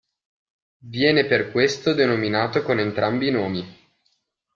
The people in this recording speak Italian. Viene per questo denominato con entrambi i nomi.